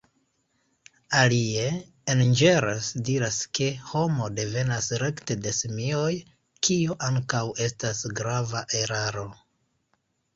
Alie, Engels diras ke homo devenas rekte de simioj, kio ankaŭ estas grava eraro.